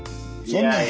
そんなん。